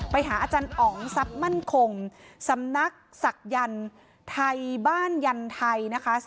ไปหาอาจารย์อ๋องซับมั่นคงสำนักศักยรษ์ยันทร์ไทยบ้านยันทร์ไทยนะคะ